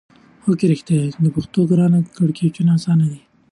هو کې! رښتیا ده چې پښتو ګرانه ده کیړکیچو اسانه ده.